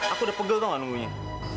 aku udah pegel tau gak nungguin